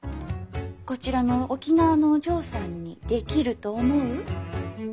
こちらの沖縄のお嬢さんにできると思う？